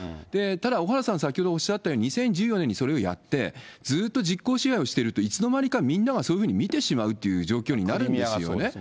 ただ小原さん、先ほどもおっしゃったように、２０１４年にそれをやって、ずっと実効支配をしてるって、いつの間にかみんなが見てしまうっていう状況になるんですよね。